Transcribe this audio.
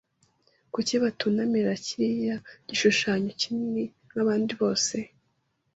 Kuki batunamira kiriya gishushanyo kinini nk’abandi bose